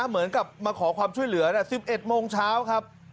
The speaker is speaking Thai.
เหมือนกับมาขอความช่วยเหลือ๑๑โมงเช้าครับ